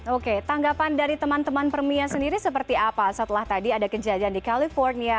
oke tanggapan dari teman teman permia sendiri seperti apa setelah tadi ada kejadian di california